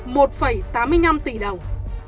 nộp một tám mươi năm triệu đồng